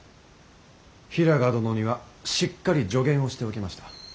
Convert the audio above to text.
平賀殿にはしっかり助言をしておきました。